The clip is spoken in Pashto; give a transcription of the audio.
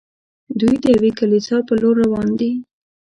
دوی د یوې کلیسا پر لور روان دي.